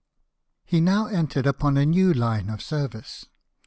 He now entered upon a new line of service.